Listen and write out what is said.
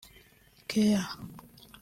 Care